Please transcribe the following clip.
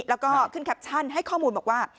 แล้วก็ขึ้นแคปชั่นให้ข้อมูลบอกว่า